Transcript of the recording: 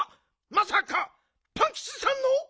まさかパンキチさんの？